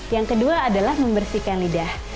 yang kedua adalah membersihkan lidah